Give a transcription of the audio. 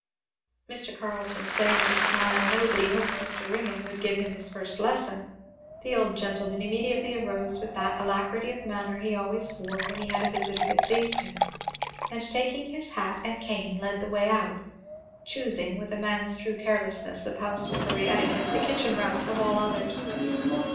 Mr. Carleton saying with a smile "No, but he hoped Mr. Ringgan would give him his first lesson," the old gentleman immediately arose with that alacrity of manner he always wore when he had a visitor that pleased him, and taking his hat and cane led the way out; choosing, with a man's true carelessness of housewifery etiquette, the kitchen route, of all others.